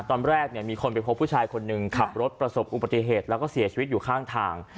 ตอนแรกเนี่ยมีคนไปพบผู้ชายคนหนึ่งขับรถประสบอุบัติเหตุแล้วก็เสียชีวิตอยู่ข้างทาง